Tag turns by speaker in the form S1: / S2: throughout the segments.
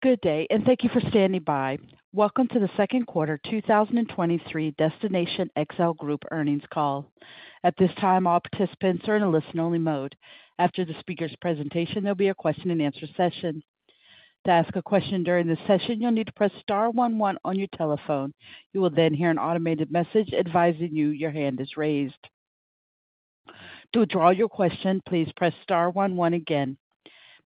S1: Good day, and thank you for standing by. Welcome to the Second Quarter 2023 Destination XL Group Earnings Call. At this time, all participants are in a listen-only mode. After the speaker's presentation, there'll be a question-and-answer session. To ask a question during this session, you'll need to press star one one on your telephone. You will then hear an automated message advising you your hand is raised. To withdraw your question, please press star one one again.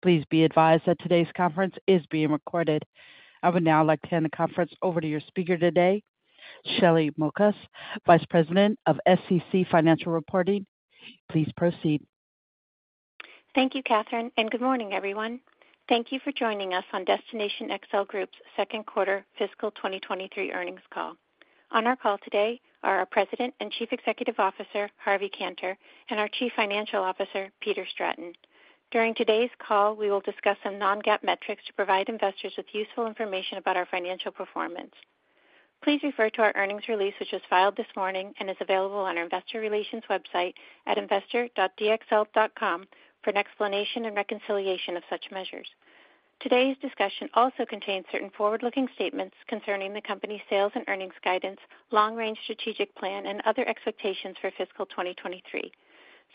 S1: Please be advised that today's conference is being recorded. I would now like to hand the conference over to your speaker today, Shelly Mokas, Vice President of SEC Financial Reporting. Please proceed.
S2: Thank you, Catherine, and good morning, everyone. Thank you for joining us on Destination XL Group's second quarter fiscal 2023 earnings call. On our call today are our President and Chief Executive Officer, Harvey Kanter, and our Chief Financial Officer, Peter Stratton. During today's call, we will discuss some non-GAAP metrics to provide investors with useful information about our financial performance. Please refer to our earnings release, which was filed this morning and is available on our investor relations website at investor.dxl.com for an explanation and reconciliation of such measures. Today's discussion also contains certain forward-looking statements concerning the company's sales and earnings guidance, long-range strategic plan, and other expectations for fiscal 2023.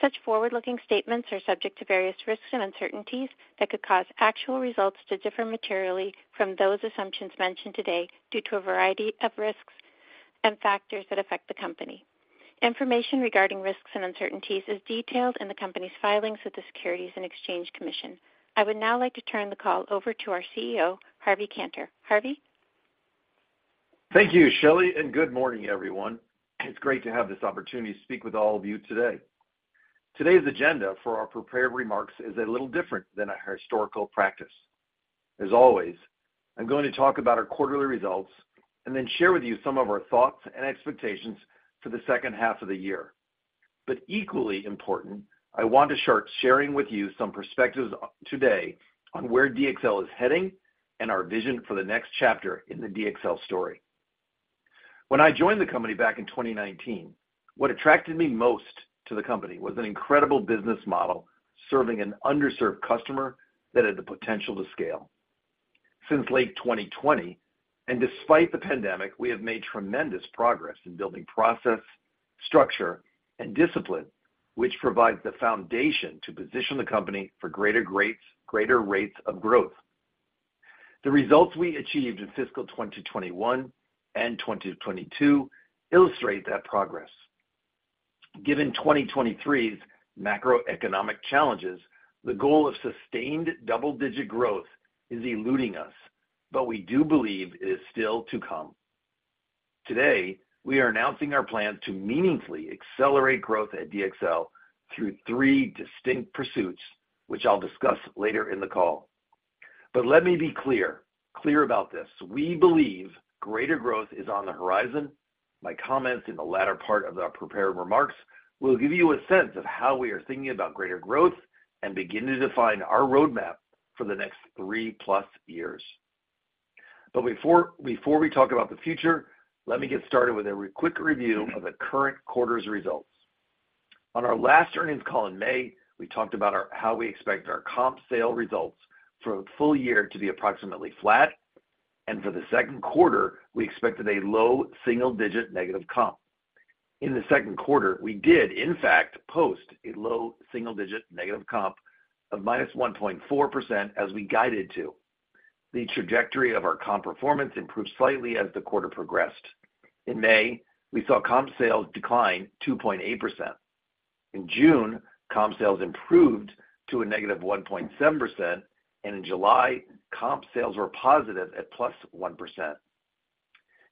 S2: Such forward-looking statements are subject to various risks and uncertainties that could cause actual results to differ materially from those assumptions mentioned today due to a variety of risks and factors that affect the company. Information regarding risks and uncertainties is detailed in the company's filings with the Securities and Exchange Commission. I would now like to turn the call over to our CEO, Harvey Kanter. Harvey?
S3: Thank you, Shelly, and good morning, everyone. It's great to have this opportunity to speak with all of you today. Today's agenda for our prepared remarks is a little different than our historical practice. As always, I'm going to talk about our quarterly results and then share with you some of our thoughts and expectations for the second half of the year. But equally important, I want to start sharing with you some perspectives today on where DXL is heading and our vision for the next chapter in the DXL story. When I joined the company back in 2019, what attracted me most to the company was an incredible business model, serving an underserved customer that had the potential to scale. Since late 2020, and despite the pandemic, we have made tremendous progress in building process, structure, and discipline, which provides the foundation to position the company for greater rates of growth. The results we achieved in fiscal 2021 and 2022 illustrate that progress. Given 2023's macroeconomic challenges, the goal of sustained double-digit growth is eluding us, but we do believe it is still to come. Today, we are announcing our plan to meaningfully accelerate growth at DXL through three distinct pursuits, which I'll discuss later in the call. But let me be clear about this: We believe greater growth is on the horizon. My comments in the latter part of the prepared remarks will give you a sense of how we are thinking about greater growth and begin to define our roadmap for the next three plus years. But before we talk about the future, let me get started with a quick review of the current quarter's results. On our last earnings call in May, we talked about our how we expect our comp sales results for the full year to be approximately flat, and for the second quarter, we expected a low single-digit negative comp. In the second quarter, we did, in fact, post a low single-digit negative comp of -1.4%, as we guided to. The trajectory of our comp performance improved slightly as the quarter progressed. In May, we saw comp sales decline 2.8%. In June, comp sales improved to a -1.7%, and in July, comp sales were positive at +1%.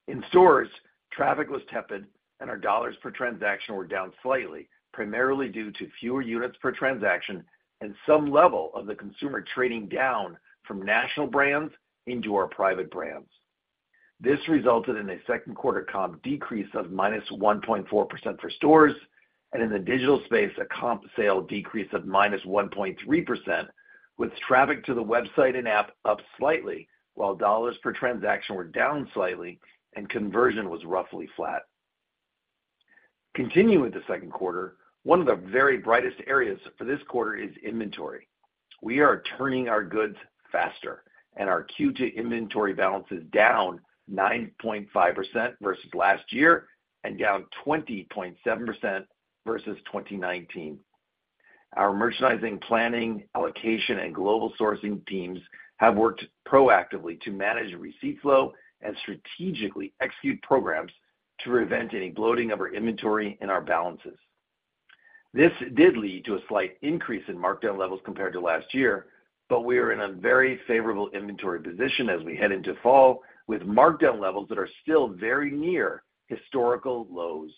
S3: In stores, traffic was tepid, and our dollars per transaction were down slightly, primarily due to fewer units per transaction and some level of the consumer trading down from national brands into our private brands. This resulted in a second quarter comp decrease of -1.4% for stores, and in the digital space, a comp sale decrease of -1.3%, with traffic to the website and app up slightly, while dollars per transaction were down slightly and conversion was roughly flat. Continuing with the second quarter, one of the very brightest areas for this quarter is inventory. We are turning our goods faster, and our Q2 inventory balance is down 9.5% versus last year and down 20.7% versus 2019. Our merchandising, planning, allocation, and global sourcing teams have worked proactively to manage receipt flow and strategically execute programs to prevent any bloating of our inventory and our balances. This did lead to a slight increase in markdown levels compared to last year, but we are in a very favorable inventory position as we head into fall, with markdown levels that are still very near historical lows.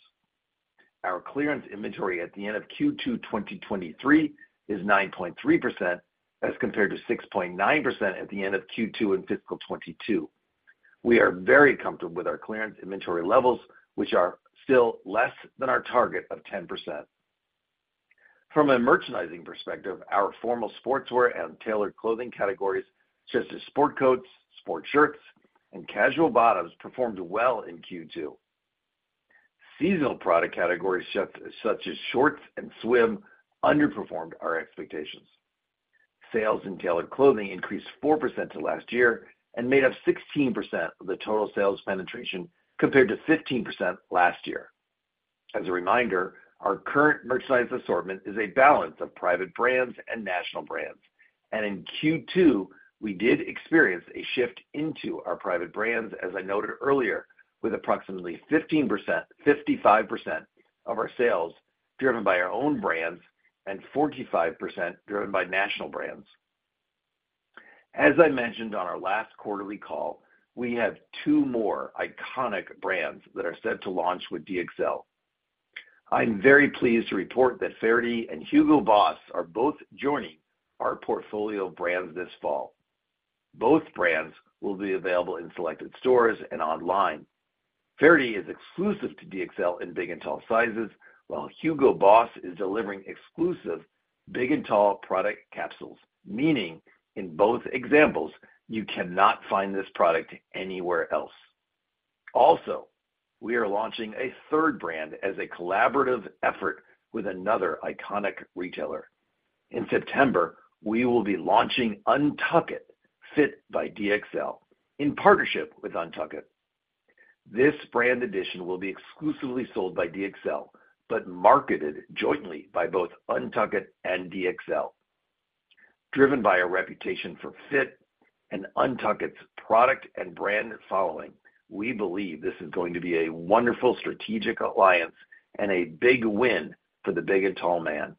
S3: Our clearance inventory at the end of Q2 2023 is 9.3%, as compared to 6.9% at the end of Q2 in fiscal 2022. We are very comfortable with our clearance inventory levels, which are still less than our target of 10%. From a merchandising perspective, our formal sportswear and tailored clothing categories, such as sport coats, sport shirts, and casual bottoms, performed well in Q2. Seasonal product categories shift, such as shorts and swim, underperformed our expectations. Sales in tailored clothing increased 4% to last year and made up 16% of the total sales penetration, compared to 15% last year. As a reminder, our current merchandise assortment is a balance of private brands and national brands. And in Q2, we did experience a shift into our private brands, as I noted earlier, with approximately 15%-55% of our sales driven by our own brands and 45% driven by national brands. As I mentioned on our last quarterly call, we have two more iconic brands that are set to launch with DXL. I'm very pleased to report that Façonnable and HUGO BOSS are both joining our portfolio of brands this fall. Both brands will be available in selected stores and online. Façonnable is exclusive to DXL in big and tall sizes, while Hugo Boss is delivering exclusive big and tall product capsules, meaning in both examples, you cannot find this product anywhere else. Also, we are launching a third brand as a collaborative effort with another iconic retailer. In September, we will be launchingUNTUCKit Fit by DXL, in partnership with UNTUCKit. This brand edition will be exclusively sold by DXL, but marketed jointly by both UNTUCKit and DXL. Driven by a reputation for fit and UNTUCKit's product and brand following, we believe this is going to be a wonderful strategic alliance and a big win for the big and tall man.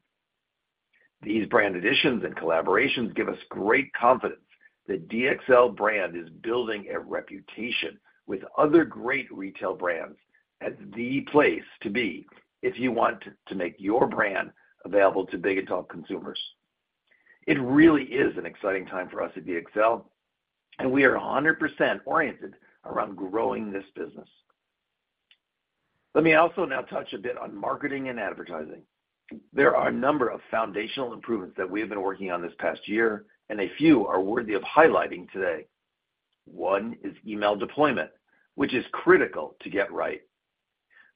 S3: These brand additions and collaborations give us great confidence that DXL brand is building a reputation with other great retail brands as the place to be if you want to make your brand available to big and tall consumers. It really is an exciting time for us at DXL, and we are 100% oriented around growing this business. Let me also now touch a bit on marketing and advertising. There are a number of foundational improvements that we have been working on this past year, and a few are worthy of highlighting today. One is email deployment, which is critical to get right.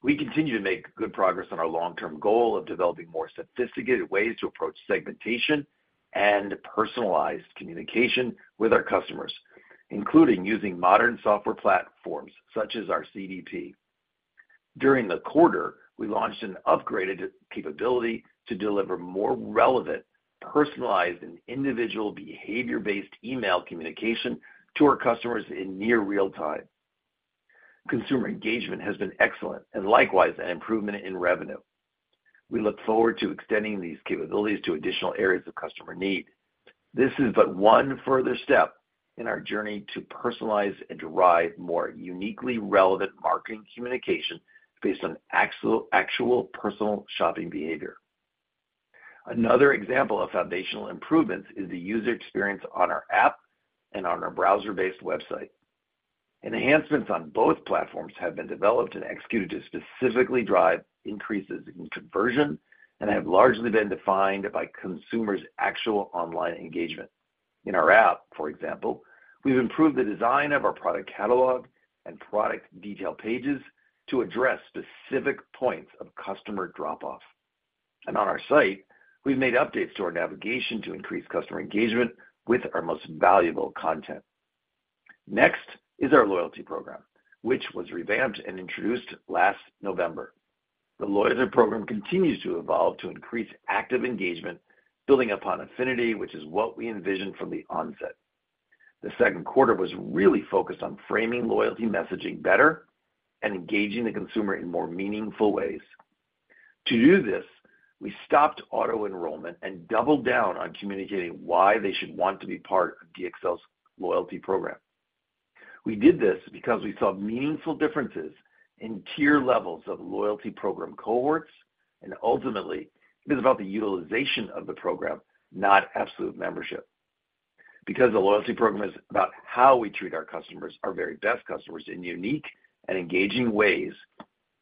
S3: We continue to make good progress on our long-term goal of developing more sophisticated ways to approach segmentation and personalized communication with our customers, including using modern software platforms such as our CDP. During the quarter, we launched an upgraded capability to deliver more relevant, personalized, and individual behavior-based email communication to our customers in near real time. Consumer engagement has been excellent, and likewise, an improvement in revenue. We look forward to extending these capabilities to additional areas of customer need. This is but one further step in our journey to personalize and derive more uniquely relevant marketing communication based on actual, actual personal shopping behavior. Another example of foundational improvements is the user experience on our app and on our browser-based website. Enhancements on both platforms have been developed and executed to specifically drive increases in conversion and have largely been defined by consumers' actual online engagement. In our app, for example, we've improved the design of our product catalog and product detail pages to address specific points of customer drop-off. On our site, we've made updates to our navigation to increase customer engagement with our most valuable content. Next is our loyalty program, which was revamped and introduced last November. The loyalty program continues to evolve to increase active engagement, building upon affinity, which is what we envisioned from the onset. The second quarter was really focused on framing loyalty messaging better and engaging the consumer in more meaningful ways. To do this, we stopped auto-enrollment and doubled down on communicating why they should want to be part of DXL's loyalty program. We did this because we saw meaningful differences in tier levels of loyalty program cohorts, and ultimately, it is about the utilization of the program, not absolute membership. Because the loyalty program is about how we treat our customers, our very best customers, in unique and engaging ways,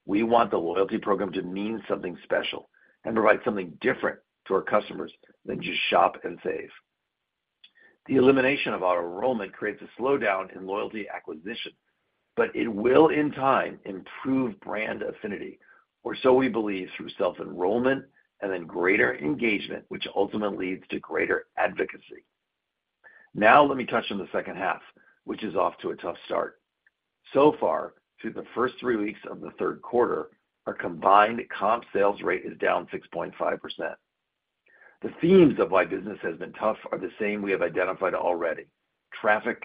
S3: we want the loyalty program to mean something special and provide something different to our customers than just shop and save. The elimination of auto-enrollment creates a slowdown in loyalty acquisition, but it will, in time, improve brand affinity, or so we believe, through self-enrollment and then greater engagement, which ultimately leads to greater advocacy. Now, let me touch on the second half, which is off to a tough start. So far, through the first three weeks of the third quarter, our combined comp sales rate is down 6.5%. The themes of why business has been tough are the same we have identified already: traffic,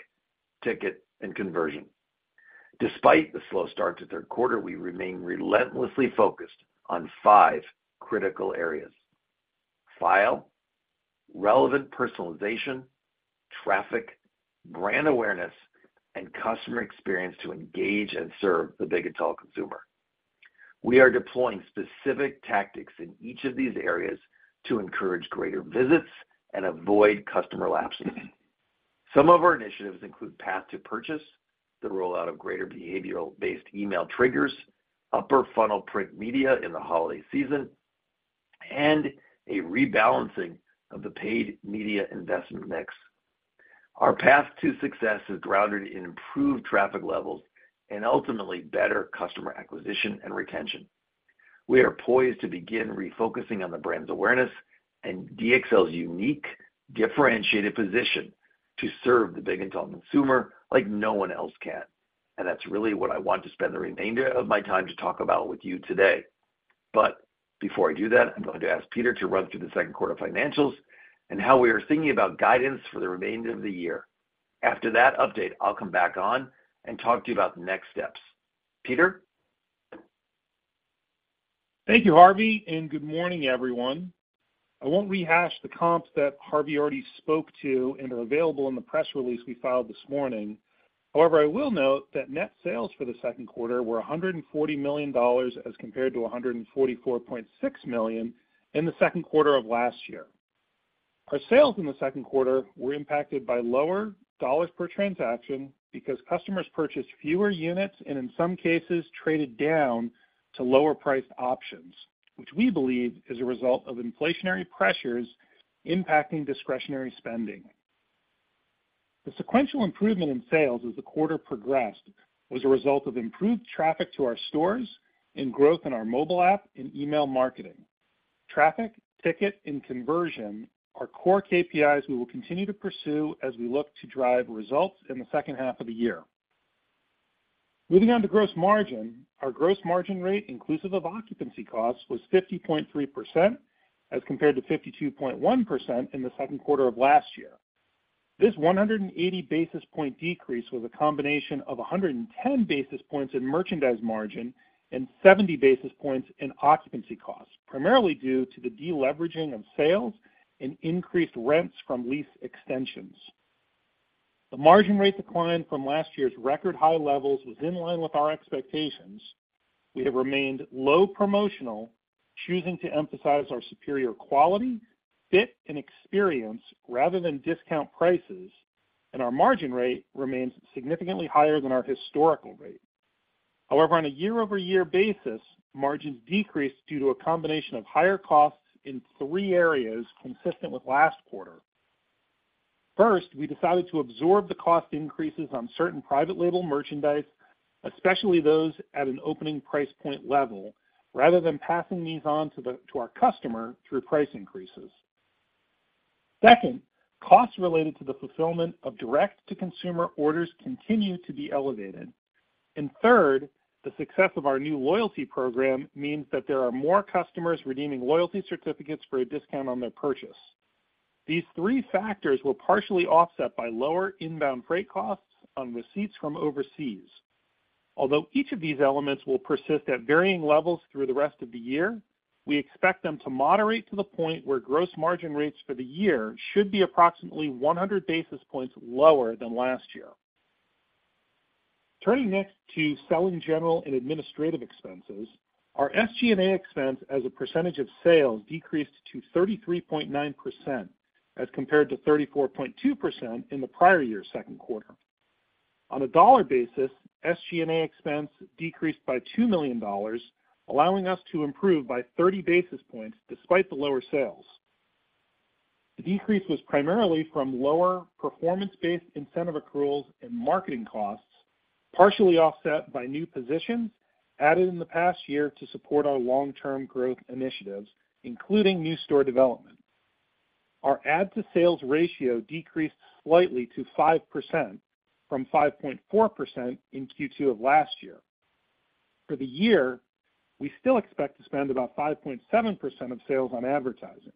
S3: ticket, and conversion. Despite the slow start to third quarter, we remain relentlessly focused on five critical areas: fit, relevant personalization, traffic, brand awareness, and customer experience to engage and serve the big and tall consumer. We are deploying specific tactics in each of these areas to encourage greater visits and avoid customer lapses. Some of our initiatives include path to purchase, the rollout of greater behavioral-based email triggers, upper funnel print media in the holiday season, and a rebalancing of the paid media investment mix.... Our path to success is grounded in improved traffic levels and ultimately better customer acquisition and retention. We are poised to begin refocusing on the brand's awareness and DXL's unique, differentiated position to serve the big and tall consumer like no one else can. That's really what I want to spend the remainder of my time to talk about with you today. Before I do that, I'm going to ask Peter to run through the second quarter financials and how we are thinking about guidance for the remainder of the year. After that update, I'll come back on and talk to you about the next steps. Peter?
S4: Thank you, Harvey, and good morning, everyone. I won't rehash the comps that Harvey already spoke to and are available in the press release we filed this morning. However, I will note that net sales for the second quarter were $140 million, as compared to $144.6 million in the second quarter of last year. Our sales in the second quarter were impacted by lower dollars per transaction because customers purchased fewer units and, in some cases, traded down to lower-priced options, which we believe is a result of inflationary pressures impacting discretionary spending. The sequential improvement in sales as the quarter progressed was a result of improved traffic to our stores and growth in our mobile app and email marketing. Traffic, ticket, and conversion are core KPIs we will continue to pursue as we look to drive results in the second half of the year. Moving on to gross margin. Our gross margin rate, inclusive of occupancy costs, was 50.3%, as compared to 52.1% in the second quarter of last year. This 180 basis points decrease was a combination of 110 basis points in merchandise margin and 70 basis points in occupancy costs, primarily due to the deleveraging of sales and increased rents from lease extensions. The margin rate decline from last year's record-high levels was in line with our expectations. We have remained low promotional, choosing to emphasize our superior quality, fit, and experience rather than discount prices, and our margin rate remains significantly higher than our historical rate. However, on a year-over-year basis, margins decreased due to a combination of higher costs in three areas, consistent with last quarter. First, we decided to absorb the cost increases on certain private label merchandise, especially those at an opening price point level, rather than passing these on to our customer through price increases. Second, costs related to the fulfillment of direct-to-consumer orders continue to be elevated. And third, the success of our new loyalty program means that there are more customers redeeming loyalty certificates for a discount on their purchase. These three factors were partially offset by lower inbound freight costs on receipts from overseas. Although each of these elements will persist at varying levels through the rest of the year, we expect them to moderate to the point where gross margin rates for the year should be approximately 100 basis points lower than last year. Turning next to selling, general, and administrative expenses. Our SG&A expense as a percentage of sales decreased to 33.9%, as compared to 34.2% in the prior year's second quarter. On a dollar basis, SG&A expense decreased by $2 million, allowing us to improve by 30 basis points despite the lower sales. The decrease was primarily from lower performance-based incentive accruals and marketing costs, partially offset by new positions added in the past year to support our long-term growth initiatives, including new store development. Our ad-to-sales ratio decreased slightly to 5% from 5.4% in Q2 of last year. For the year, we still expect to spend about 5.7% of sales on advertising.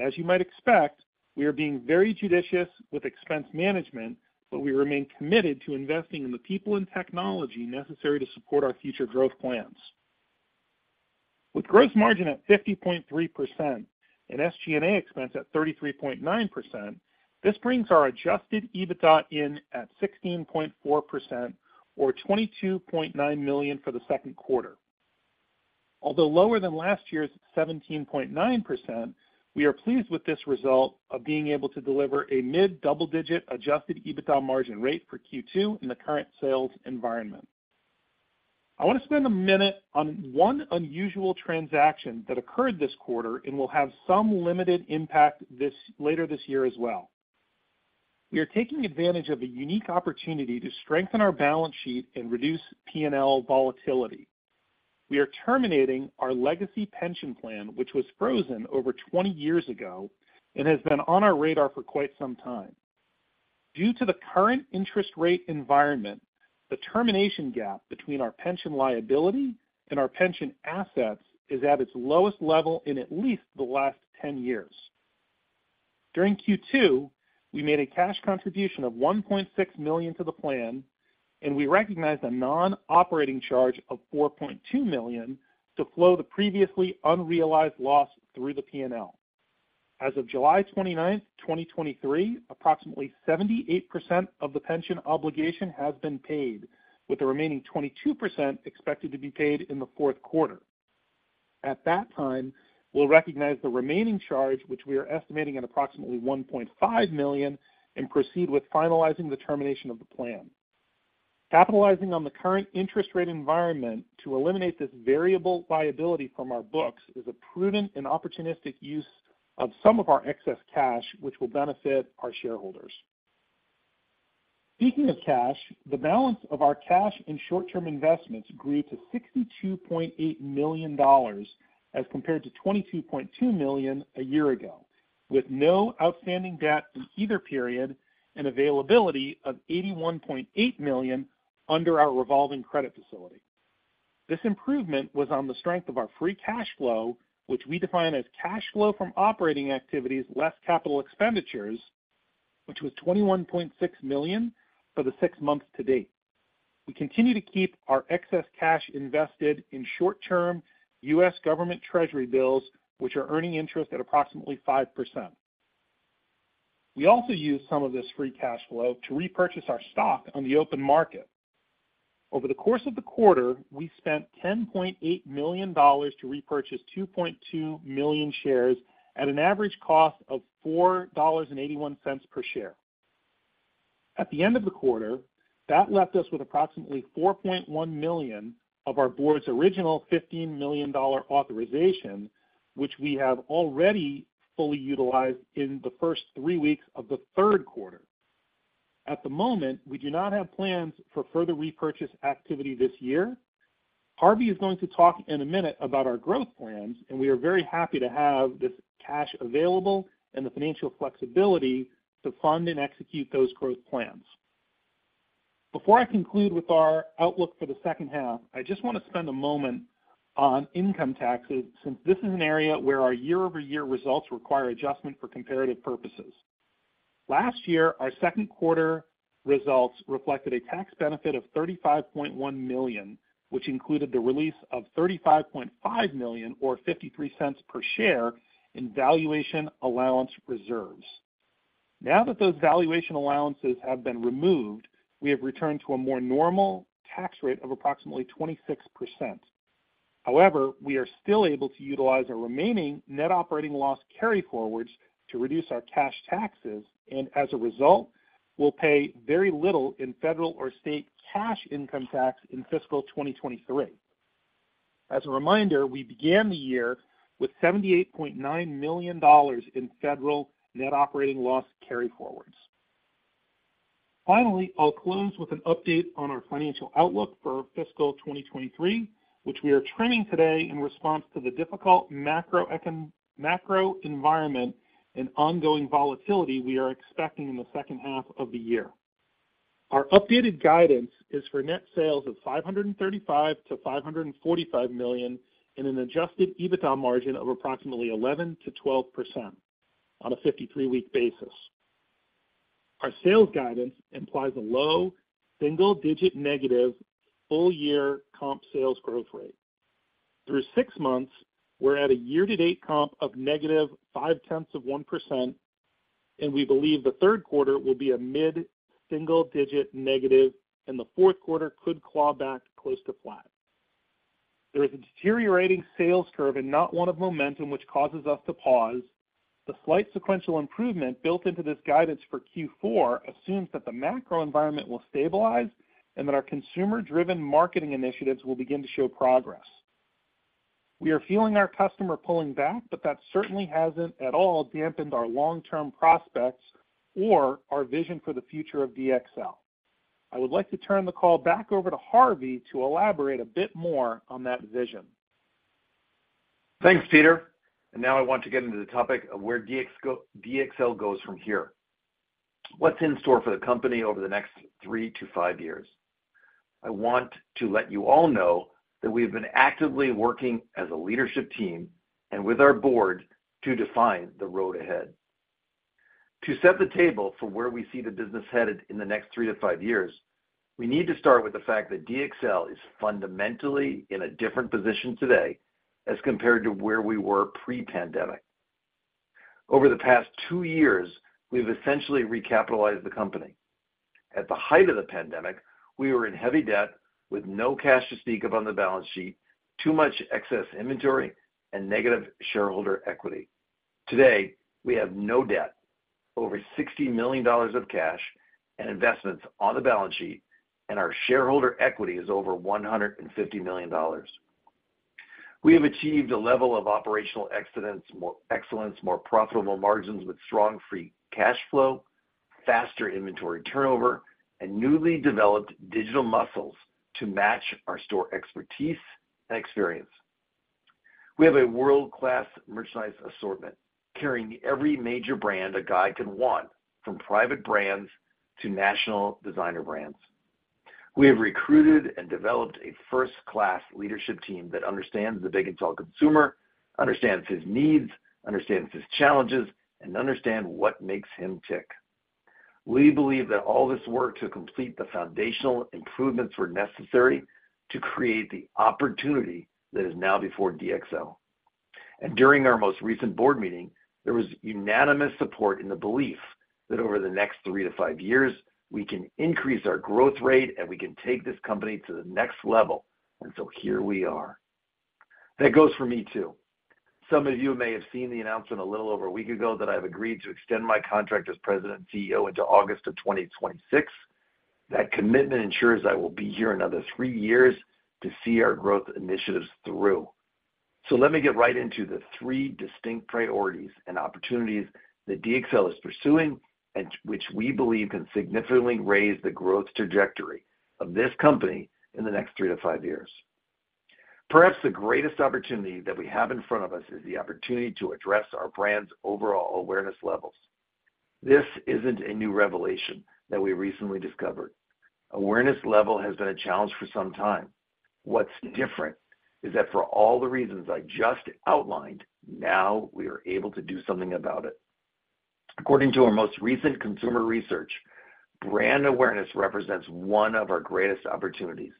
S4: As you might expect, we are being very judicious with expense management, but we remain committed to investing in the people and technology necessary to support our future growth plans. With gross margin at 50.3% and SG&A expense at 33.9%, this brings our adjusted EBITDA in at 16.4% or $22.9 million for the second quarter. Although lower than last year's 17.9%, we are pleased with this result of being able to deliver a mid-double-digit adjusted EBITDA margin rate for Q2 in the current sales environment. I want to spend a minute on one unusual transaction that occurred this quarter and will have some limited impact this later this year as well. We are taking advantage of a unique opportunity to strengthen our balance sheet and reduce P&L volatility. We are terminating our legacy pension plan, which was frozen over 20 years ago and has been on our radar for quite some time. Due to the current interest rate environment, the termination gap between our pension liability and our pension assets is at its lowest level in at least the last 10 years. During Q2, we made a cash contribution of $1.6 million to the plan, and we recognized a non-operating charge of $4.2 million to flow the previously unrealized loss through the P&L. As of July 29th, 2023, approximately 78% of the pension obligation has been paid, with the remaining 22% expected to be paid in the fourth quarter. At that time, we'll recognize the remaining charge, which we are estimating at approximately $1.5 million, and proceed with finalizing the termination of the plan. Capitalizing on the current interest rate environment to eliminate this variable liability from our books is a prudent and opportunistic use of some of our excess cash, which will benefit our shareholders. Speaking of cash, the balance of our cash and short-term investments grew to $62.8 million, as compared to $22.2 million a year ago, with no outstanding debt in either period and availability of $81.8 million under our revolving credit facility. This improvement was on the strength of our free cash flow, which we define as cash flow from operating activities less capital expenditures, which was $21.6 million for the six months to date. We continue to keep our excess cash invested in short-term U.S. government Treasury bills, which are earning interest at approximately 5%. We also use some of this free cash flow to repurchase our stock on the open market. Over the course of the quarter, we spent $10.8 million to repurchase 2.2 million shares at an average cost of $4.81 per share. At the end of the quarter, that left us with approximately $4.1 million of our board's original $15 million authorization, which we have already fully utilized in the first three weeks of the third quarter. At the moment, we do not have plans for further repurchase activity this year. Harvey is going to talk in a minute about our growth plans, and we are very happy to have this cash available and the financial flexibility to fund and execute those growth plans. Before I conclude with our outlook for the second half, I just want to spend a moment on income taxes, since this is an area where our year-over-year results require adjustment for comparative purposes. Last year, our second quarter results reflected a tax benefit of $35.1 million, which included the release of $35.5 million, or $0.53 per share, in valuation allowance reserves. Now that those valuation allowances have been removed, we have returned to a more normal tax rate of approximately 26%. However, we are still able to utilize our remaining net operating loss carryforwards to reduce our cash taxes, and as a result, we'll pay very little in federal or state cash income tax in fiscal 2023. As a reminder, we began the year with $78.9 million in federal net operating loss carryforwards. Finally, I'll close with an update on our financial outlook for fiscal 2023, which we are trending today in response to the difficult macro environment and ongoing volatility we are expecting in the second half of the year. Our updated guidance is for net sales of $535 million-$545 million, and an adjusted EBITDA margin of approximately 11%-12% on a 53-week basis. Our sales guidance implies a low single-digit negative full-year comp sales growth rate. Through six months, we're at a year-to-date comp of -0.5%, and we believe the third quarter will be a mid-single-digit negative, and the fourth quarter could claw back close to flat. There is a deteriorating sales curve and not one of momentum, which causes us to pause. The slight sequential improvement built into this guidance for Q4 assumes that the macro environment will stabilize and that our consumer-driven marketing initiatives will begin to show progress. We are feeling our customer pulling back, but that certainly hasn't at all dampened our long-term prospects or our vision for the future of DXL. I would like to turn the call back over to Harvey to elaborate a bit more on that vision.
S3: Thanks, Peter. Now I want to get into the topic of where DXL goes from here. What's in store for the company over the next three to five years? I want to let you all know that we've been actively working as a leadership team and with our board to define the road ahead. To set the table for where we see the business headed in the next three to five years, we need to start with the fact that DXL is fundamentally in a different position today as compared to where we were pre-pandemic. Over the past two years, we've essentially recapitalized the company. At the height of the pandemic, we were in heavy debt with no cash to speak of on the balance sheet, too much excess inventory, and negative shareholder equity. Today, we have no debt, over $60 million of cash and investments on the balance sheet, and our shareholder equity is over $150 million. We have achieved a level of operational excellence, more excellence, more profitable margins with strong free cash flow, faster inventory turnover, and newly developed digital muscles to match our store expertise and experience. We have a world-class merchandise assortment, carrying every major brand a guy can want, from private brands to national designer brands. We have recruited and developed a first-class leadership team that understands the Big + Tall consumer, understands his needs, understands his challenges, and understand what makes him tick. We believe that all this work to complete the foundational improvements were necessary to create the opportunity that is now before DXL. During our most recent board meeting, there was unanimous support in the belief that over the next 3-5 years, we can increase our growth rate, and we can take this company to the next level. And so here we are. That goes for me, too. Some of you may have seen the announcement a little over a week ago that I've agreed to extend my contract as President and CEO into August of 2026. That commitment ensures I will be here another three years to see our growth initiatives through. So let me get right into the three distinct priorities and opportunities that DXL is pursuing, and which we believe can significantly raise the growth trajectory of this company in the next three to five years. Perhaps the greatest opportunity that we have in front of us is the opportunity to address our brand's overall awareness levels. This isn't a new revelation that we recently discovered. Awareness level has been a challenge for some time. What's different is that for all the reasons I just outlined, now we are able to do something about it. According to our most recent consumer research, brand awareness represents one of our greatest opportunities.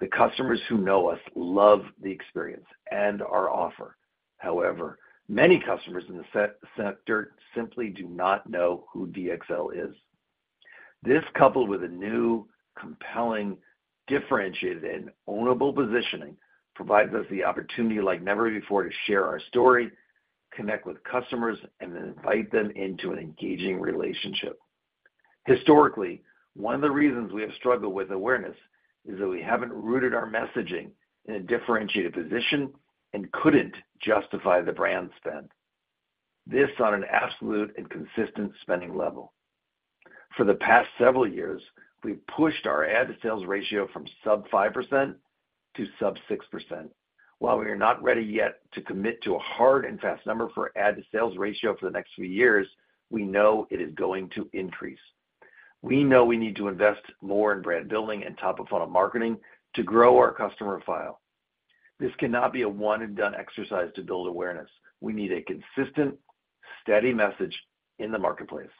S3: The customers who know us love the experience and our offer. However, many customers in the specialty sector simply do not know who DXL is. This, coupled with a new, compelling, differentiated, and ownable positioning, provides us the opportunity like never before, to share our story, connect with customers, and then invite them into an engaging relationship. Historically, one of the reasons we have struggled with awareness is that we haven't rooted our messaging in a differentiated position and couldn't justify the brand spend. This on an absolute and consistent spending level. For the past several years, we've pushed our ad-to-sales ratio from sub 5% to sub 6%. While we are not ready yet to commit to a hard and fast number for ad-to-sales ratio for the next few years, we know it is going to increase. We know we need to invest more in brand building and top-of-funnel marketing to grow our customer file. This cannot be a one-and-done exercise to build awareness. We need a consistent, steady message in the marketplace.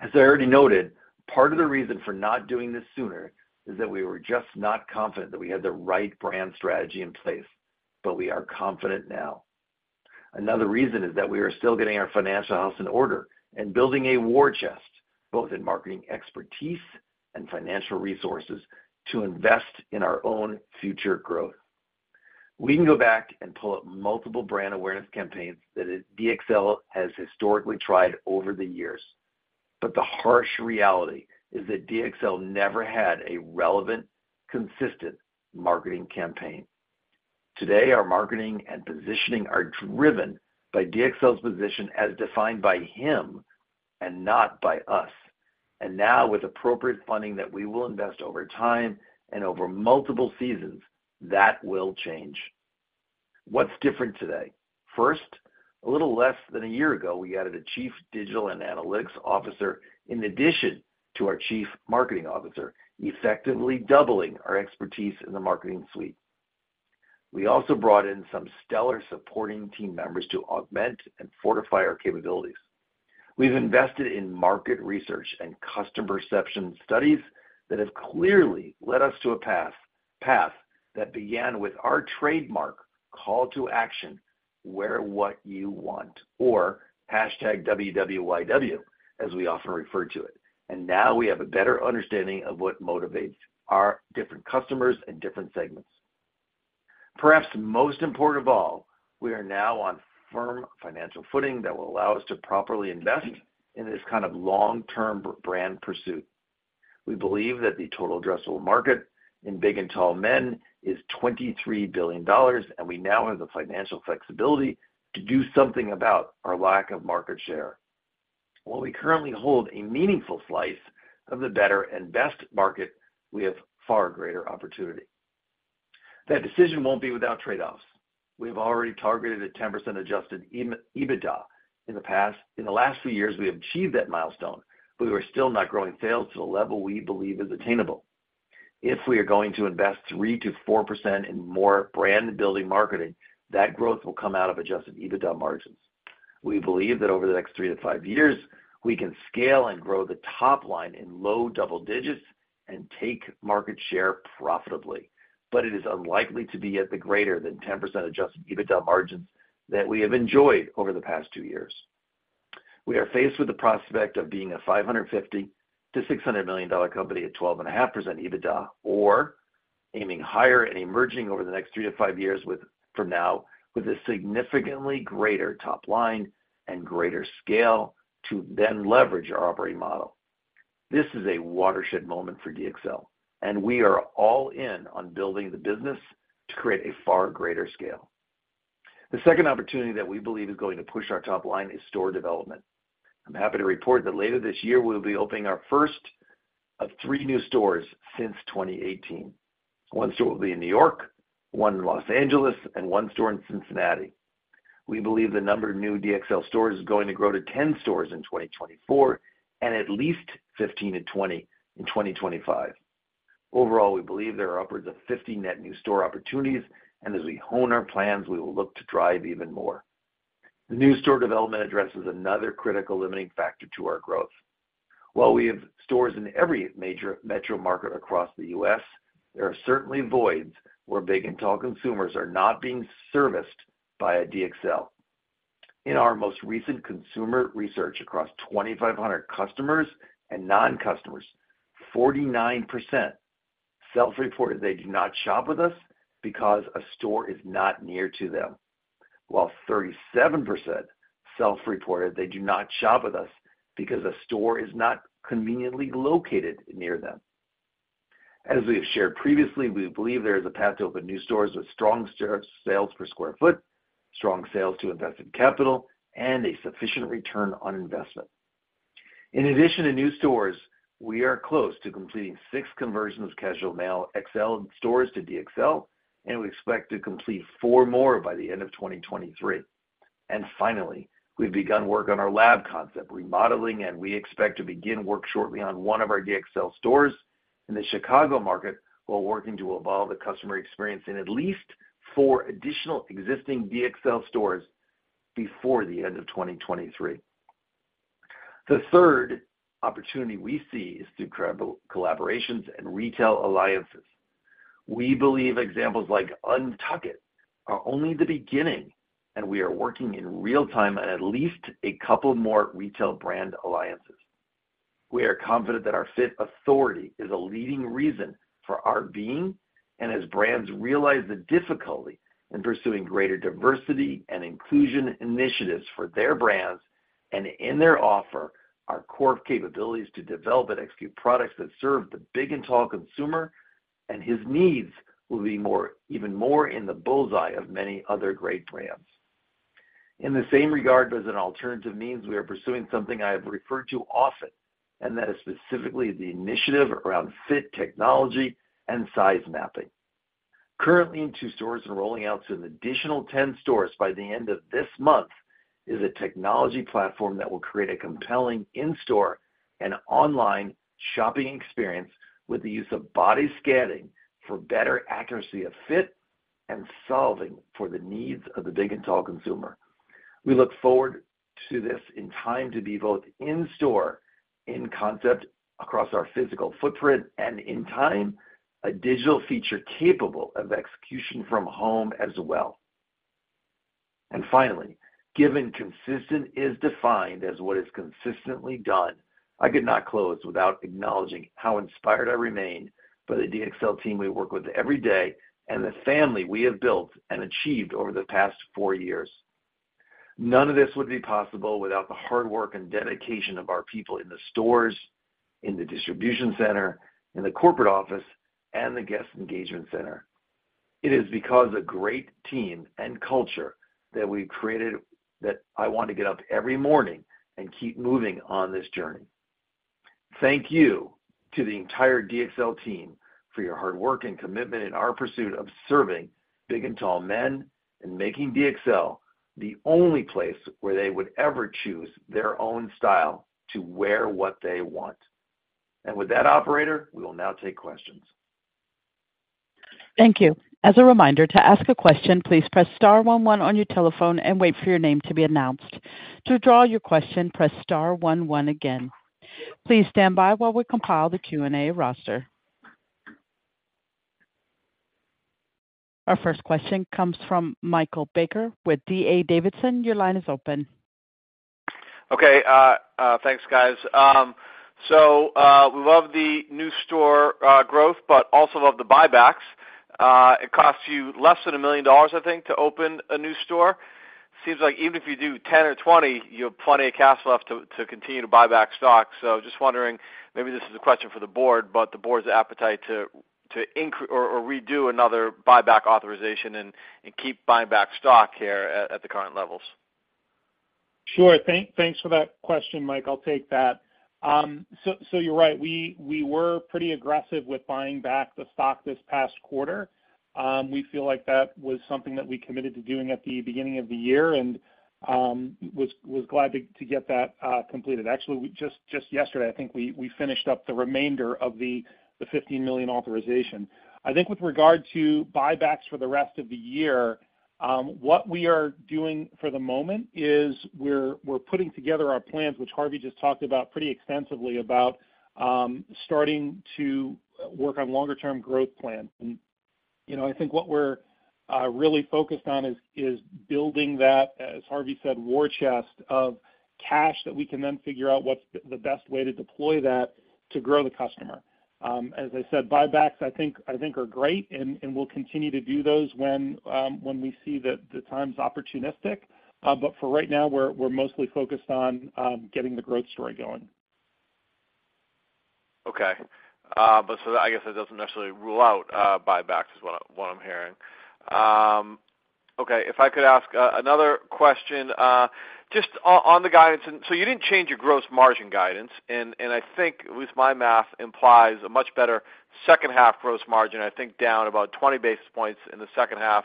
S3: As I already noted, part of the reason for not doing this sooner is that we were just not confident that we had the right brand strategy in place, but we are confident now. Another reason is that we are still getting our financial house in order and building a war chest, both in marketing expertise and financial resources, to invest in our own future growth. We can go back and pull up multiple brand awareness campaigns that, DXL has historically tried over the years, but the harsh reality is that DXL never had a relevant, consistent marketing campaign. Today, our marketing and positioning are driven by DXL's position as defined by him and not by us, and now with appropriate funding that we will invest over time and over multiple seasons, that will change. What's different today? First, a little less than a year ago, we added a Chief Digital and Analytics Officer in addition to our Chief Marketing Officer, effectively doubling our expertise in the marketing suite. We also brought in some stellar supporting team members to augment and fortify our capabilities. We've invested in market research and customer perception studies that have clearly led us to a path that began with our trademark call to action, Wear What You Want, or #WWYW, as we often refer to it, and now we have a better understanding of what motivates our different customers and different segments. Perhaps most important of all, we are now on firm financial footing that will allow us to properly invest in this kind of long-term brand pursuit. We believe that the total addressable market in big and tall men is $23 billion, and we now have the financial flexibility to do something about our lack of market share. While we currently hold a meaningful slice of the better and best market, we have far greater opportunity. That decision won't be without trade-offs. We have already targeted a 10% adjusted EBITDA in the past. In the last few years, we have achieved that milestone, but we are still not growing sales to the level we believe is attainable. If we are going to invest 3%-4% in more brand-building marketing, that growth will come out of adjusted EBITDA margins. We believe that over the next three to five years, we can scale and grow the top line in low double digits and take market share profitably, but it is unlikely to be at the greater than 10% adjusted EBITDA margins that we have enjoyed over the past two years. We are faced with the prospect of being a $550 million-$600 million company at 12.5% EBITDA, or aiming higher and emerging over the next three to five years with a significantly greater top line and greater scale to then leverage our operating model. This is a watershed moment for DXL, and we are all in on building the business to create a far greater scale. The second opportunity that we believe is going to push our top line is store development. I'm happy to report that later this year, we'll be opening our first of three new stores since 2018. One store will be in New York, one in Los Angeles, and one store in Cincinnati. We believe the number of new DXL stores is going to grow to 10 stores in 2024, and at least 15-20 in 2025. Overall, we believe there are upwards of 50 net new store opportunities, and as we hone our plans, we will look to drive even more. The new store development addresses another critical limiting factor to our growth. While we have stores in every major metro market across the U.S., there are certainly voids where big and tall consumers are not being serviced by a DXL. In our most recent consumer research across 2,500 customers and non-customers, 49% self-reported they do not shop with us because a store is not near to them, while 37% self-reported they do not shop with us because a store is not conveniently located near them. As we have shared previously, we believe there is a path to open new stores with strong sales per square foot, strong sales to invested capital, and a sufficient return on investment. In addition to new stores, we are close to completing 6 conversions of Casual Male XL stores to DXL, and we expect to complete four more by the end of 2023. And finally, we've begun work on our lab concept remodeling, and we expect to begin work shortly on one of our DXL stores in the Chicago market, while working to evolve the customer experience in at least four additional existing DXL stores before the end of 2023. The third opportunity we see is through collaborations and retail alliances. We believe examples like UNTUCKit are only the beginning, and we are working in real time on at least a couple more retail brand alliances. We are confident that our fit authority is a leading reason for our being, and as brands realize the difficulty in pursuing greater diversity and inclusion initiatives for their brands and in their offer, our core capabilities to develop and execute products that serve the big and tall consumer and his needs will be more, even more in the bull's eye of many other great brands. In the same regard, as an alternative means, we are pursuing something I have referred to often, and that is specifically the initiative around fit technology and size mapping. Currently, in two stores and rolling out to an additional 10 stores by the end of this month, is a technology platform that will create a compelling in-store and online shopping experience with the use of body scanning for better accuracy of fit and solving for the needs of the big and tall consumer. We look forward to this in time to be both in store, in concept, across our physical footprint, and in time, a digital feature capable of execution from home as well. And finally, given consistent is defined as what is consistently done, I could not close without acknowledging how inspired I remain by the DXL team we work with every day and the family we have built and achieved over the past four years. None of this would be possible without the hard work and dedication of our people in the stores, in the distribution center, in the corporate office, and the Guest Engagement Center. It is because a great team and culture that we created that I want to get up every morning and keep moving on this journey. Thank you to the entire DXL team for your hard work and commitment in our pursuit of serving big and tall men and making DXL the only place where they would ever choose their own style to wear what they want. And with that, operator, we will now take questions.
S1: Thank you. As a reminder, to ask a question, please press star one one on your telephone and wait for your name to be announced. To withdraw your question, press star one one again. Please stand by while we compile the Q&A roster. Our first question comes from Michael Baker with D.A. Davidson. Your line is open.
S5: Okay, thanks, guys. So, we love the new store growth, but also love the buybacks. It costs you less than $1 million, I think, to open a new store. Seems like even if you do 10 or 20, you have plenty of cash left to continue to buy back stock. So just wondering, maybe this is a question for the board, but the board's appetite to increase or redo another buyback authorization and keep buying back stock here at the current levels.
S4: Sure. Thanks for that question, Mike. I'll take that. So you're right. We were pretty aggressive with buying back the stock this past quarter. We feel like that was something that we committed to doing at the beginning of the year, and was glad to get that completed. Actually, we just yesterday, I think we finished up the remainder of the $15 million authorization. I think with regard to buybacks for the rest of the year, what we are doing for the moment is we're putting together our plans, which Harvey just talked about pretty extensively, about starting to work on longer term growth plans. You know, I think what we're really focused on is building that, as Harvey said, war chest of cash that we can then figure out what's the best way to deploy that to grow the customer. As I said, buybacks I think are great, and we'll continue to do those when we see that the time's opportunistic. But for right now, we're mostly focused on getting the growth story going.
S5: Okay. But so I guess that doesn't necessarily rule out buybacks is what I'm hearing. Okay. If I could ask another question, just on the guidance. So you didn't change your gross margin guidance, and I think, at least my math, implies a much better second half gross margin, I think, down about 20 basis points in the second half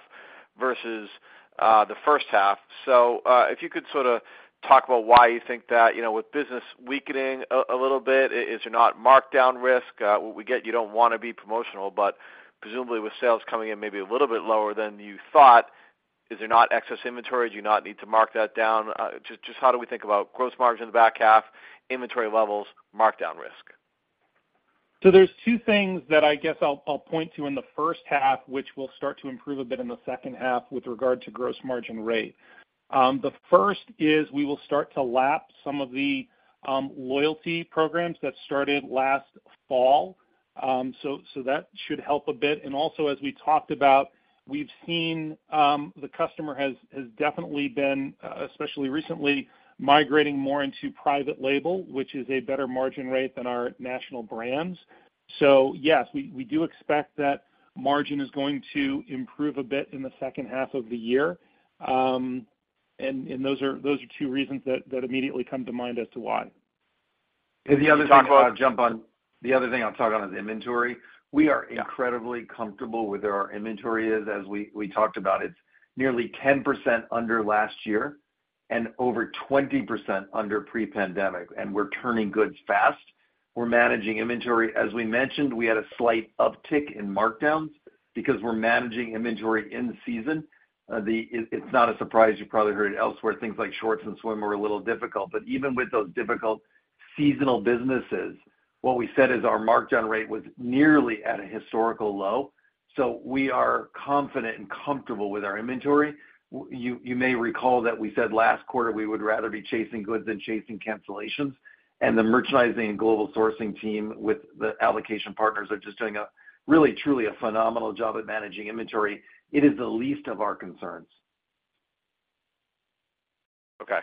S5: versus the first half. So, if you could sort of talk about why you think that, you know, with business weakening a little bit, is there not markdown risk? What we get, you don't want to be promotional, but presumably with sales coming in maybe a little bit lower than you thought, is there not excess inventory? Do you not need to mark that down? Just how do we think about gross margin in the back half, inventory levels, markdown risk?
S4: So there's two things that I guess I'll point to in the first half, which will start to improve a bit in the second half with regard to gross margin rate. The first is we will start to lap some of the loyalty programs that started last fall. So that should help a bit. And also, as we talked about, we've seen the customer has definitely been, especially recently, migrating more into private label, which is a better margin rate than our national brands. So yes, we do expect that margin is going to improve a bit in the second half of the year. And those are two reasons that immediately come to mind as to why.
S3: The other thing I wanna jump on, the other thing I'll talk about is inventory. We are incredibly comfortable with where our inventory is, as we talked about. It's nearly 10% under last year and over 20% under pre-pandemic, and we're turning goods fast. We're managing inventory. As we mentioned, we had a slight uptick in markdowns because we're managing inventory in season. It's not a surprise, you probably heard it elsewhere, things like shorts and swim are a little difficult. But even with those difficult seasonal businesses, what we said is our markdown rate was nearly at a historical low. So we are confident and comfortable with our inventory. You may recall that we said last quarter, we would rather be chasing goods than chasing cancellations. The merchandising and global sourcing team with the allocation partners are just doing a really, truly a phenomenal job at managing inventory. It is the least of our concerns.
S5: Okay.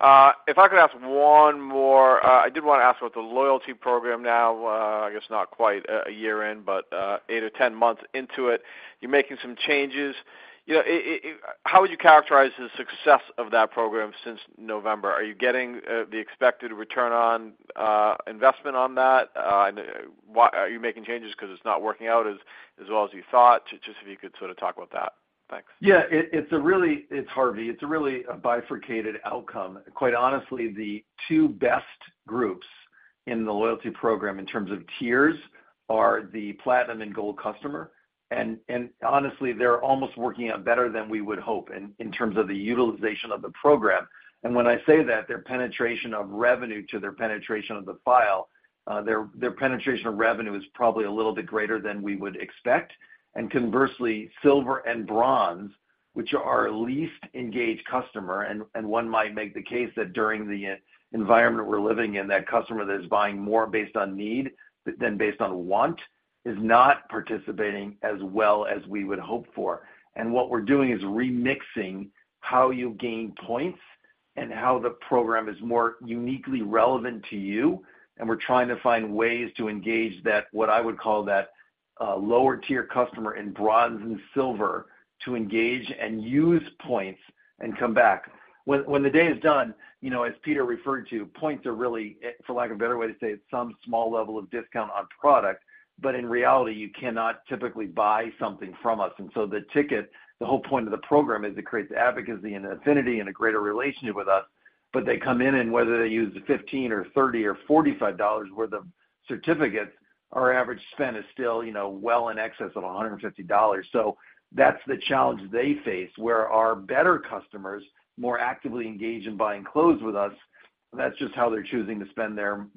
S5: If I could ask one more, I did wanna ask about the loyalty program now. I guess not quite a year in, but eight or 10 months into it, you're making some changes. You know, how would you characterize the success of that program since November? Are you getting the expected return on investment on that? And why are you making changes 'cause it's not working out as well as you thought? Just if you could sort of talk about that. Thanks.
S3: Yeah, it's a really... It's Harvey. It's really a bifurcated outcome. Quite honestly, the two best groups in the loyalty program, in terms of tiers, are the platinum and gold customer. And honestly, they're almost working out better than we would hope in terms of the utilization of the program. And when I say that, their penetration of revenue to their penetration of the file, their penetration of revenue is probably a little bit greater than we would expect. And conversely, silver and bronze, which are our least engaged customer, and one might make the case that during the environment we're living in, that customer that is buying more based on need than based on want, is not participating as well as we would hope for. And what we're doing is remixing how you gain points and how the program is more uniquely relevant to you. And we're trying to find ways to engage that, what I would call that, lower-tier customer in bronze and silver, to engage and use points and come back. When, when the day is done, you know, as Peter referred to, points are really, for lack of a better way to say it, some small level of discount on product, but in reality, you cannot typically buy something from us. And so the ticket, the whole point of the program is it creates advocacy and affinity and a greater relationship with us. But they come in, and whether they use the $15 or $30 or $45 worth of certificates, our average spend is still, you know, well in excess of $150. So that's the challenge they face, where our better customers, more actively engaged in buying clothes with us, that's just how they're choosing to spend their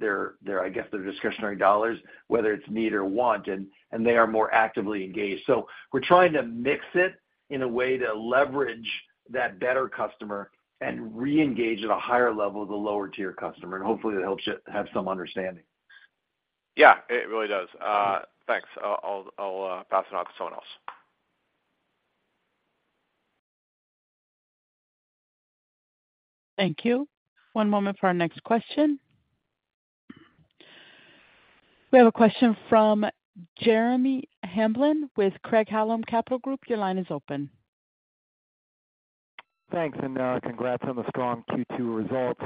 S3: discretionary dollars, I guess, whether it's need or want, and they are more actively engaged. So we're trying to mix it in a way to leverage that better customer and reengage at a higher level, the lower-tier customer, and hopefully, that helps you have some understanding.
S5: Yeah, it really does. Thanks. I'll pass it on to someone else.
S1: Thank you. One moment for our next question. We have a question from Jeremy Hamblin with Craig-Hallum Capital Group. Your line is open.
S6: Thanks, and congrats on the strong Q2 results.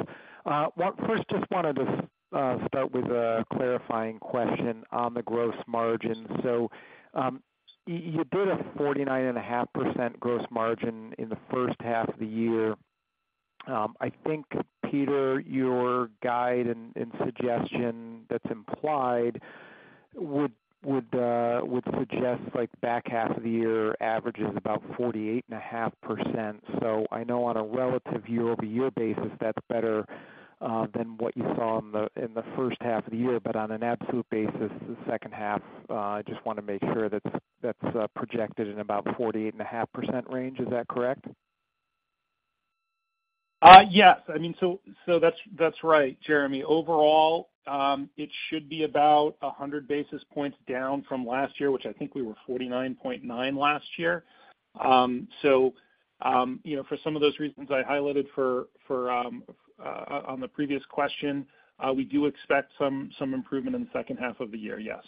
S6: First, just wanted to start with a clarifying question on the gross margin. So, you did a 49.5% gross margin in the first half of the year. I think, Peter, your guide and suggestion that's implied would suggest like back half of the year averages about 48.5%. So I know on a relative year-over-year basis, that's better than what you saw in the first half of the year, but on an absolute basis, the second half, I just wanna make sure that's projected in about 48.5% range. Is that correct?
S4: Yes. I mean, so that's right, Jeremy. Overall, it should be about 100 basis points down from last year, which I think we were 49.9 last year. So, you know, for some of those reasons I highlighted for on the previous question, we do expect some improvement in the second half of the year. Yes.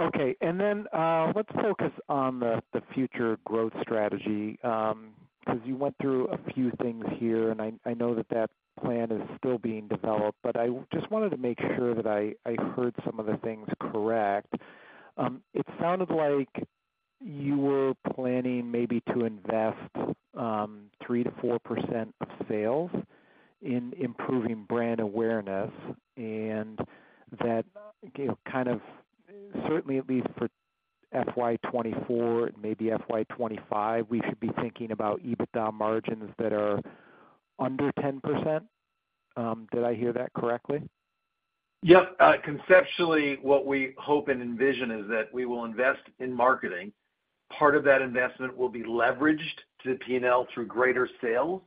S6: Okay. And then, let's focus on the future growth strategy, because you went through a few things here, and I know that that plan is still being developed, but I just wanted to make sure that I heard some of the things correct. It sounded like you were planning maybe to invest three to four percent of sales in improving brand awareness and that, you know, kind of certainly, at least for FY 2024 and maybe FY 2025, we should be thinking about EBITDA margins that are under 10%? Did I hear that correctly?
S3: Yep. Conceptually, what we hope and envision is that we will invest in marketing. Part of that investment will be leveraged to the P&L through greater sales.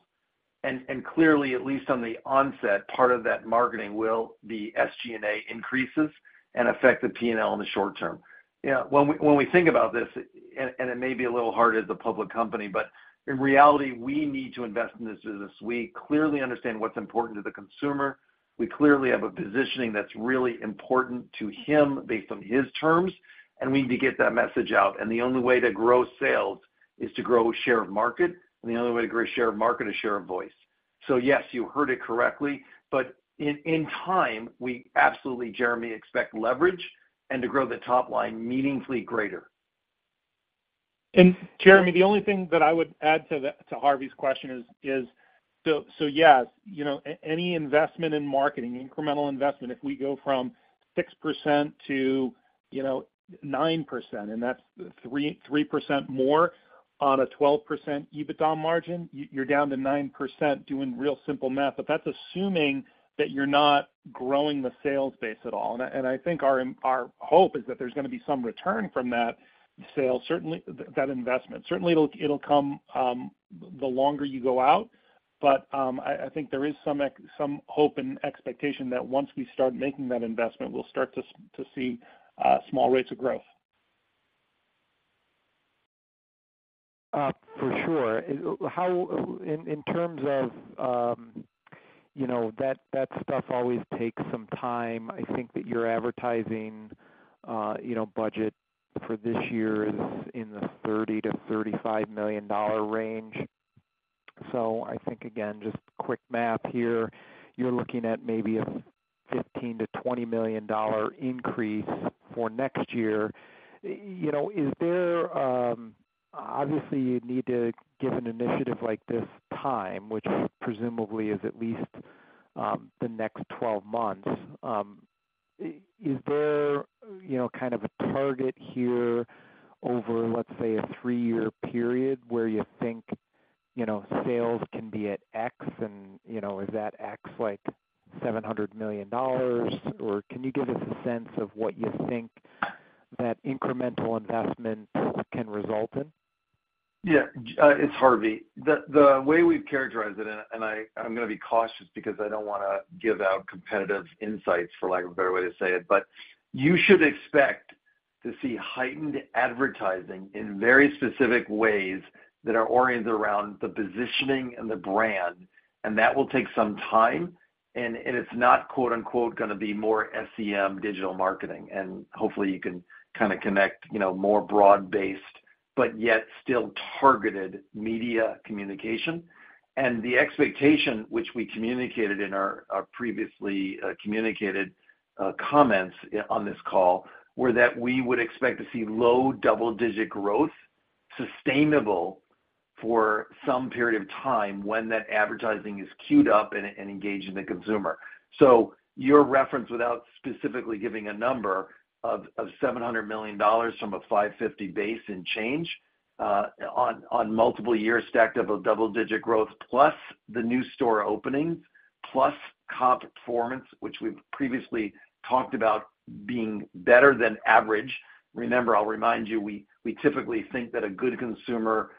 S3: And clearly, at least on the onset, part of that marketing will be SG&A increases and affect the P&L in the short term. Yeah, when we think about this, and it may be a little hard as a public company, but in reality, we need to invest in this business. We clearly understand what's important to the consumer. We clearly have a positioning that's really important to him based on his terms, and we need to get that message out. And the only way to grow sales is to grow share of market, and the only way to grow share of market is share of voice. So yes, you heard it correctly, but in time, we absolutely, Jeremy, expect leverage and to grow the top line meaningfully greater.
S4: And Jeremy, the only thing that I would add to the to Harvey's question is so yes, you know, any investment in marketing, incremental investment, if we go from 6% to, you know, 9%, and that's 3% more on a 12% EBITDA margin, you're down to 9% doing real simple math. But that's assuming that you're not growing the sales base at all. And I think our hope is that there's gonna be some return from that sale, certainly, that investment. Certainly, it'll come the longer you go out, but I think there is some hope and expectation that once we start making that investment, we'll start to see small rates of growth.
S6: For sure. I wonder how, in terms of, you know, that stuff always takes some time. I think that your advertising, you know, budget for this year is in the $30-$35 million range. So I think, again, just quick math here, you're looking at maybe a $15-$20 million increase for next year. You know, is there... Obviously, you'd need to give an initiative like this time, which presumably is at least the next twelve months. Is there, you know, kind of a target here over, let's say, a three-year period where you think, you know, sales can be at X? And, you know, is that X like $700 million? Or can you give us a sense of what you think that incremental investment can result in?
S3: Yeah, it's Harvey. The way we've characterized it, and I'm gonna be cautious because I don't wanna give out competitive insights, for lack of a better way to say it, but you should expect to see heightened advertising in very specific ways that are oriented around the positioning and the brand, and that will take some time, and it's not, quote, unquote, "gonna be more SEM digital marketing," and hopefully, you can kind of connect, you know, more broad-based, but yet still targeted media communication. And the expectation, which we communicated in our previously communicated comments on this call, were that we would expect to see low double-digit growth, sustainable for some period of time when that advertising is queued up and engaging the consumer. So your reference, without specifically giving a number, of $700 million from a $550 base and change, on multiple years, stacked up of double-digit growth, plus the new store openings, plus comp performance, which we've previously talked about being better than average. Remember, I'll remind you, we typically think that a good consumer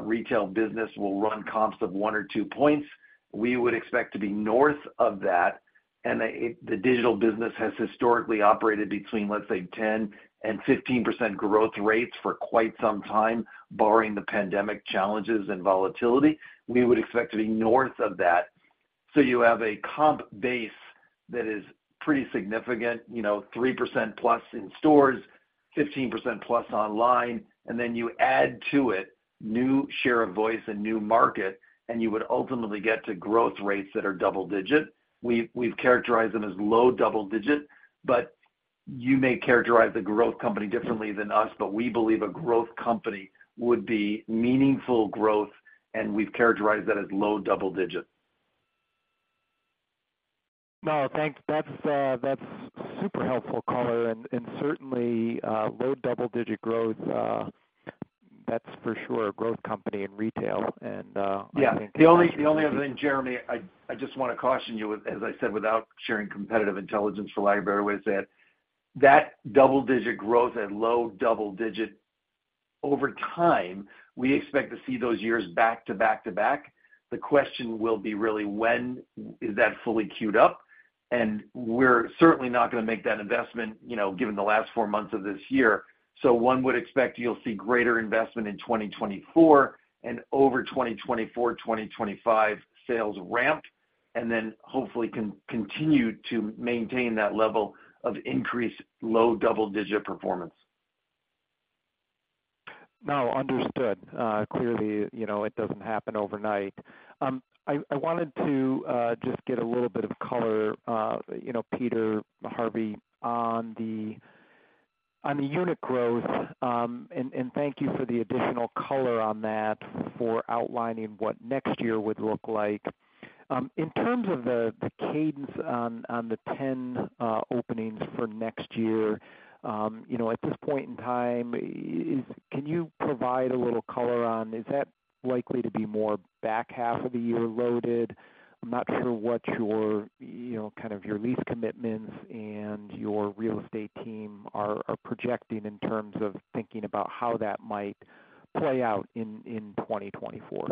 S3: retail business will run comps of 1 or 2 points. We would expect to be north of that, and the digital business has historically operated between, let's say, 10%-15% growth rates for quite some time, barring the pandemic challenges and volatility. We would expect to be north of that. So you have a comp base that is pretty significant, you know, 3%+ in stores, 15%+ online, and then you add to it new share of voice and new market, and you would ultimately get to growth rates that are double-digit. We've characterized them as low double-digit, but you may characterize the growth company differently than us, but we believe a growth company would be meaningful growth, and we've characterized that as low double-digit.
S6: No, thanks. That's, that's super helpful color and, and certainly, low double-digit growth, that's for sure a growth company in retail, and, I think-
S3: Yeah, the only, the only other thing, Jeremy, I, I just wanna caution you, as I said, without sharing competitive intelligence, for lack of a better way, is that, that double-digit growth and low double-digit, over time, we expect to see those years back to back to back. The question will be really, when is that fully queued up? And we're certainly not gonna make that investment, you know, given the last four months of this year. So one would expect you'll see greater investment in 2024 and over 2024, 2025 sales ramp, and then hopefully continue to maintain that level of increased low double-digit performance.
S6: No, understood. Clearly, you know, it doesn't happen overnight. I wanted to just get a little bit of color, you know, Peter, Harvey, on the unit growth, and thank you for the additional color on that, for outlining what next year would look like. In terms of the cadence on the 10 openings for next year, you know, at this point in time, can you provide a little color on, is that likely to be more back half of the year loaded? I'm not sure what your, you know, kind of your lease commitments and your real estate team are projecting in terms of thinking about how that might play out in 2024.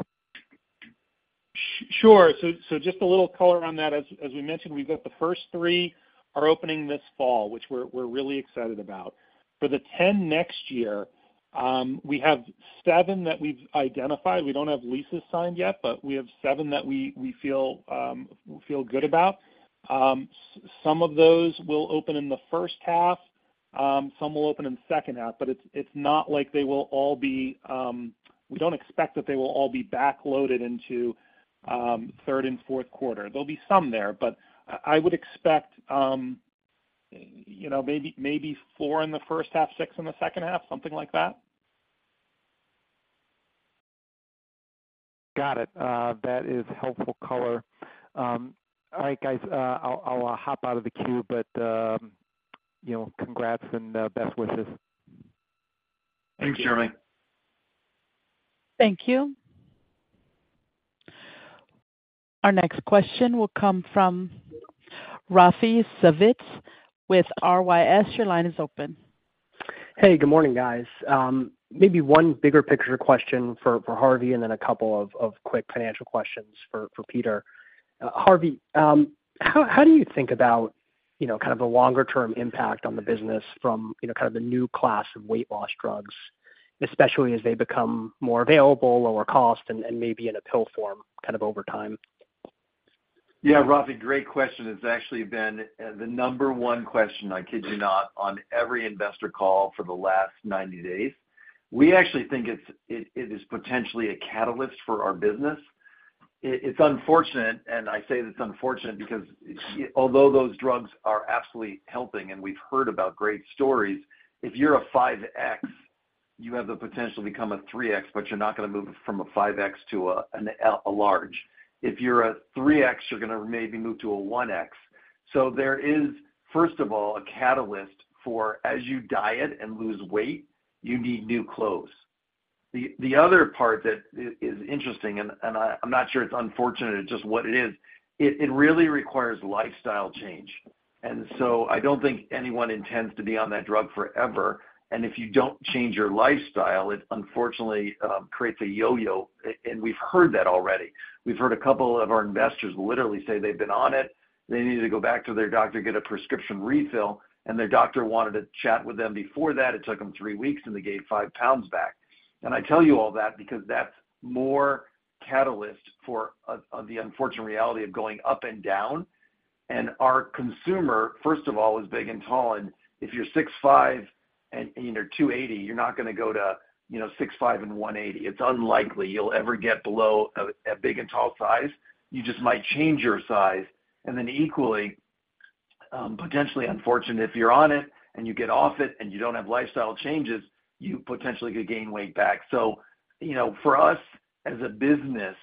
S4: Sure. So just a little color on that. As we mentioned, we've got the first three are opening this fall, which we're really excited about. For the 10 next year, we have seven that we've identified. We don't have leases signed yet, but we have seven that we feel good about. Some of those will open in the first half, some will open in the second half, but it's not like they will all be. We don't expect that they will all be backloaded into third and fourth quarter. There'll be some there, but I would expect, you know, maybe four in the first half, six in the second half, something like that.
S6: Got it. That is helpful color. All right, guys, I'll hop out of the queue, but you know, congrats and best wishes.
S4: Thanks, Jeremy.
S1: Thank you. Our next question will come from Raphi Savitz with RYS. Your line is open.
S7: Hey, good morning, guys. Maybe one bigger picture question for Harvey, and then a couple of quick financial questions for Peter. Harvey, how do you think about, you know, kind of the longer term impact on the business from, you know, kind of the new class of weight loss drugs, especially as they become more available, lower cost, and maybe in a pill form, kind of over time?
S3: Yeah, Rafi, great question. It's actually been the number one question, I kid you not, on every investor call for the last 90 days. We actually think it is potentially a catalyst for our business. It's unfortunate, and I say it's unfortunate because although those drugs are absolutely helping, and we've heard about great stories, if you're a 5X, you have the potential to become a 3X, but you're not gonna move from a 5X to a large. If you're a 3X, you're gonna maybe move to a 1X. So there is, first of all, a catalyst for as you diet and lose weight, you need new clothes. The other part that is interesting, and I'm not sure it's unfortunate, it's just what it is, it really requires lifestyle change. I don't think anyone intends to be on that drug forever. And if you don't change your lifestyle, it unfortunately creates a yo-yo, and we've heard that already. We've heard a couple of our investors literally say they've been on it, they need to go back to their doctor, get a prescription refill, and their doctor wanted to chat with them before that. It took them three weeks, and they gained five pounds back. And I tell you all that because that's more catalyst for the unfortunate reality of going up and down. And our consumer, first of all, is big and tall, and if you're 6'5" and 280, you're not gonna go to, you know, 6'5" and 180. It's unlikely you'll ever get below a big and tall size. You just might change your size. And then equally, potentially unfortunate, if you're on it and you get off it, and you don't have lifestyle changes, you potentially could gain weight back. So, you know, for us, as a business,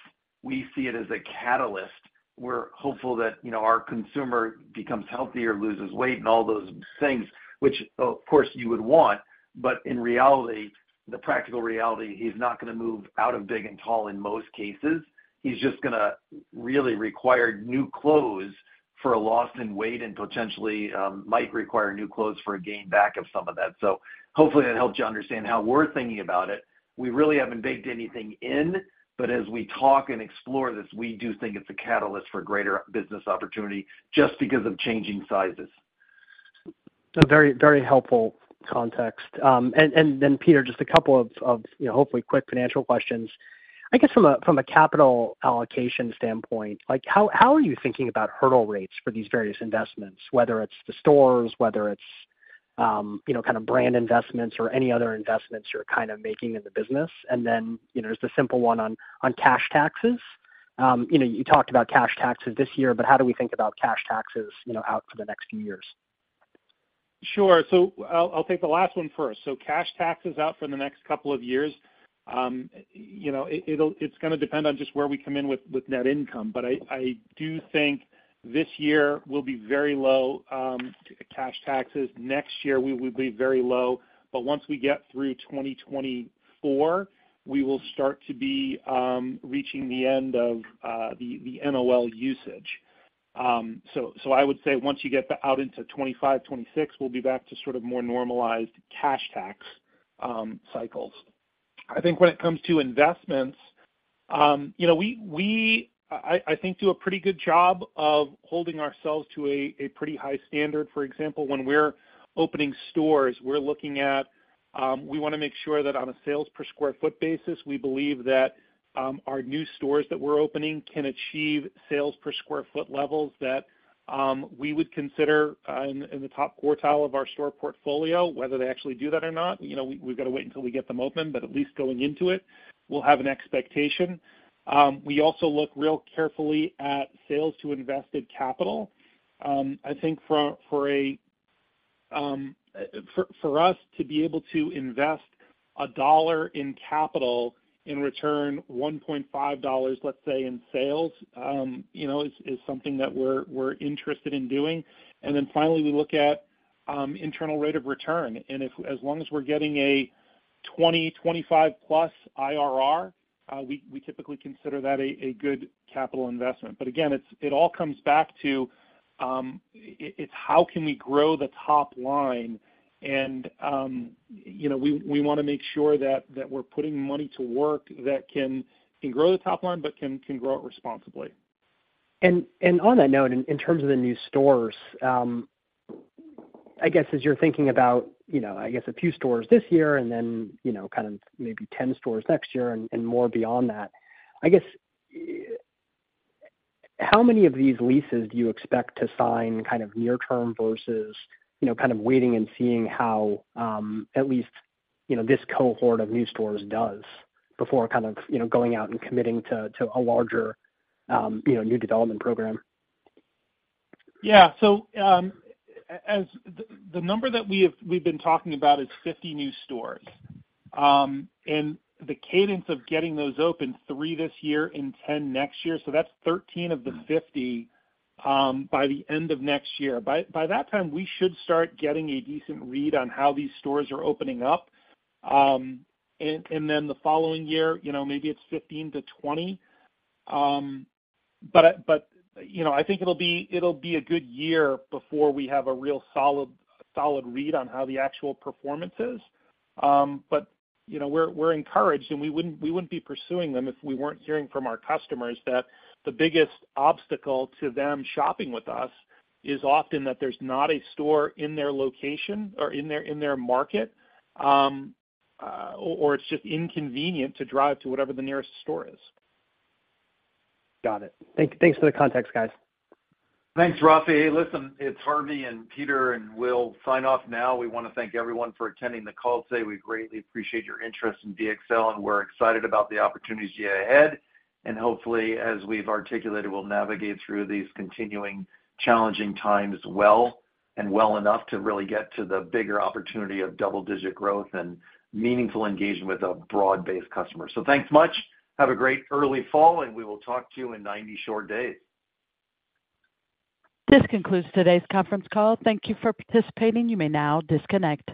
S3: we see it as a catalyst. We're hopeful that, you know, our consumer becomes healthier, loses weight, and all those things, which, of course, you would want. But in reality, the practical reality, he's not gonna move out of big and tall in most cases. He's just going to really require new clothes for a loss in weight and potentially, might require new clothes for a gain back of some of that. So hopefully, that helps you understand how we're thinking about it. We really haven't baked anything in, but as we talk and explore this, we do think it's a catalyst for greater business opportunity just because of changing sizes.
S7: Very, very helpful context. And then Peter, just a couple of, you know, hopefully quick financial questions. I guess from a capital allocation standpoint, like, how are you thinking about hurdle rates for these various investments? Whether it's the stores, whether it's, you know, kind of brand investments or any other investments you're kind of making in the business. And then, you know, just a simple one on cash taxes. You know, you talked about cash taxes this year, but how do we think about cash taxes, you know, out for the next few years?
S4: Sure. So I'll take the last one first. So cash taxes out for the next couple of years. You know, it's gonna depend on just where we come in with net income. But I do think this year will be very low cash taxes. Next year, we will be very low, but once we get through 2024, we will start to be reaching the end of the NOL usage. So I would say once you get out into 2025, 2026, we'll be back to sort of more normalized cash tax cycles. I think when it comes to investments, you know, we do a pretty good job of holding ourselves to a pretty high standard. For example, when we're opening stores, we're looking at, we wanna make sure that on a sales per square foot basis, we believe that, our new stores that we're opening can achieve sales per square foot levels that, we would consider in the top quartile of our store portfolio. Whether they actually do that or not, you know, we've got to wait until we get them open, but at least going into it, we'll have an expectation. We also look real carefully at sales to invested capital. I think for us to be able to invest a dollar in capital and return $1.5, let's say, in sales, you know, is something that we're interested in doing. Finally, we look at internal rate of return, and if as long as we're getting a +20-+25 IRR, we typically consider that a good capital investment. But again, it's all comes back to it's how we can grow the top line. You know, we wanna make sure that we're putting money to work that can grow the top line, but can grow it responsibly.
S7: And on that note, in terms of the new stores, I guess, as you're thinking about, you know, I guess a few stores this year and then, you know, kind of maybe 10 stores next year and more beyond that, I guess, how many of these leases do you expect to sign kind of near term versus, you know, kind of waiting and seeing how, at least, you know, this cohort of new stores does before kind of, you know, going out and committing to a larger, you know, new development program?
S4: Yeah. So, the number that we have—we've been talking about is 50 new stores. And the cadence of getting those open, three this year and 10 next year, so that's 13 of the 50, by the end of next year. By that time, we should start getting a decent read on how these stores are opening up. And then the following year, you know, maybe it's 15-20. But, you know, I think it'll be a good year before we have a real solid read on how the actual performance is. But, you know, we're encouraged, and we wouldn't be pursuing them if we weren't hearing from our customers that the biggest obstacle to them shopping with us is often that there's not a store in their location or in their market, or it's just inconvenient to drive to whatever the nearest store is.
S7: Got it. Thanks for the context, guys.
S3: Thanks, Rafi. Listen, it's Harvey and Peter, and we'll sign off now. We wanna thank everyone for attending the call today. We greatly appreciate your interest in DXL, and we're excited about the opportunities yet ahead. Hopefully, as we've articulated, we'll navigate through these continuing challenging times well, and well enough to really get to the bigger opportunity of double-digit growth and meaningful engagement with a broad-based customer. Thanks much. Have a great early fall, and we will talk to you in ninety short days.
S1: This concludes today's conference call. Thank you for participating. You may now disconnect.